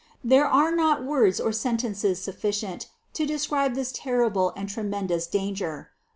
There are not words or sentences sufficient to describe this terrible and tre mendous danger.